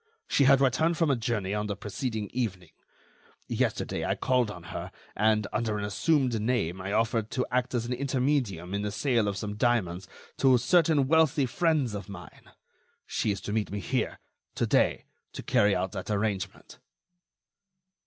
She had returned from a journey on the preceding evening. Yesterday, I called on her and, under an assumed name, I offered to act as an intermedium in the sale of some diamonds to certain wealthy friends of mine. She is to meet me here to day to carry out that arrangement."